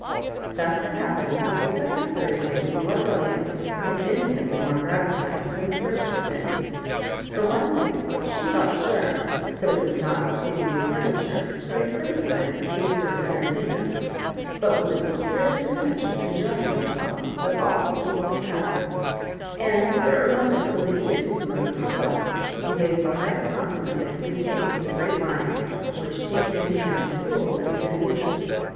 Thus it happened that the second Thursday was more briiliant and uafinitely more gratifying than the first had been. For one thing, she felt sure that it was not to see the new furniture nor to criticise this new sort of entertainment, but with the sincerest intention of enjoying themselves, that all the people had come ; and there are mo ments when the egotism of the public conveys the highest compliment that can be paid to the great minds which take in hand to rule and to amuse it.